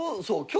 そう。